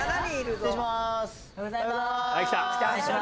おはようございます。